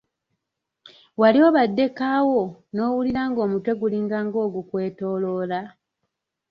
Wali obaddeko awo n'owulira ng'omutwe gulinga ogukwetooloola?